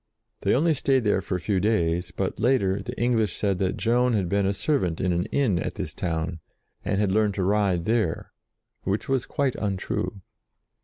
They only stayed there for a few days, but, later, the English said that Joan had been a servant in an inn at this town, and had learned to ride there, which was quite untrue.